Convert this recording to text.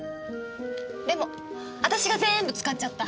でも私が全部使っちゃった。